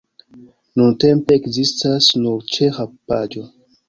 Nuntempe ekzistas nur ĉeĥa paĝo.